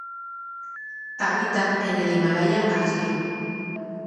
Habita en el Himalaya Asia.